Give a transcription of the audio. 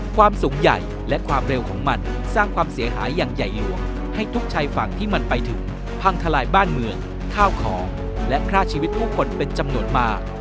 ความสูงใหญ่และความเร็วของมันสร้างความเสียหายอย่างใหญ่หลวงให้ทุกชายฝั่งที่มันไปถึงพังทลายบ้านเมืองข้าวของและฆ่าชีวิตผู้คนเป็นจำนวนมาก